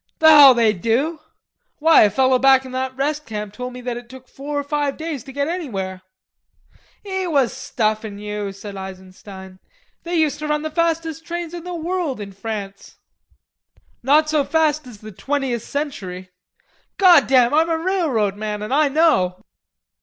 "The hell they do. Why, a fellow back in that rest camp told me that it took four or five days to get anywhere." "He was stuffing you," said Eisenstein. "They used to run the fastest trains in the world in France." "Not so fast as the 'Twentieth Century.' Goddam, I'm a railroad man and I know."